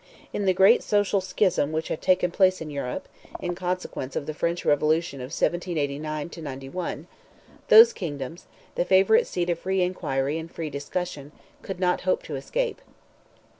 In the great social schism which had taken place in Europe, in consequence of the French revolution of 1789 '91, those kingdoms, the favourite seat of free inquiry and free discussion, could not hope to escape.